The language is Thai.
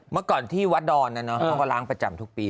เมื่อก่อนที่วัดดอนนะเนาะเขาก็ล้างประจำทุกปี